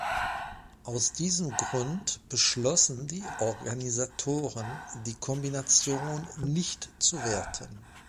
Aus diesem Grund beschlossen die Organisatoren, die Kombination nicht zu werten.